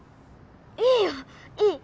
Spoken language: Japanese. いいよいい！